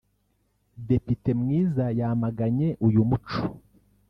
Depite Mwiza yamaganye uyu muco